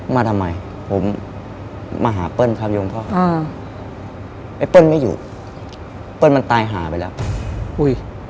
มาทำไมผมมาหาเปิ้ลครับโยมพ่ออ่าไอ้เปิ้ลไม่อยู่เปิ้ลมันตายหาไปแล้วอุ้ย